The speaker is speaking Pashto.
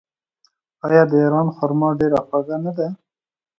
آیا د ایران خرما ډیره خوږه نه ده؟